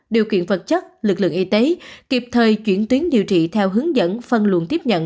điều kiện vật chất lực lượng y tế kịp thời chuyển tuyến điều trị theo hướng dẫn phân luận tiếp nhận